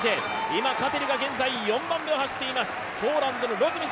今、カティルが現在４番目を走っています。